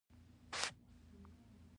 شتمن خلک د هر چا ضرورت ته غوږ نیسي.